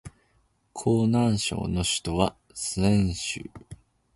河南省の省都は鄭州